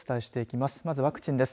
まずワクチンです。